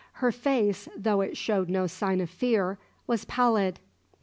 Her face, though it showed no sign of fear, was pallid.